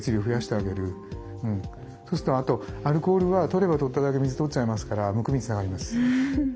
あとアルコールはとればとっただけ水とっちゃいますからむくみにつながります。